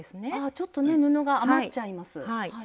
ちょっとね布が余っちゃいます。